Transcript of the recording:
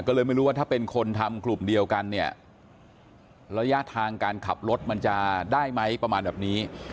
ก็เลยไม่รู้ว่าถ้าเป็นคนทำกลุ่มเดียวกันเนี่ยระยะทางการขับรถมันจะได้ไหมประมาณแบบนี้